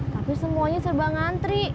tapi semuanya serba ngantri